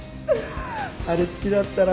あれ好きだったな。